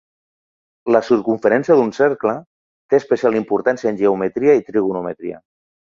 La circumferència d'un cercle té especial importància en geometria i trigonometria.